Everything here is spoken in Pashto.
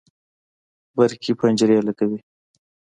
برقي پنجرې لګوي